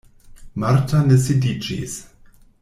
Marta ne sidiĝis.